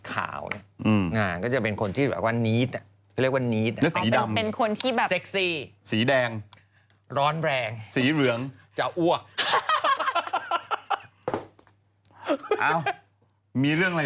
มันก็จะเห็นอยู่แล้วแหละ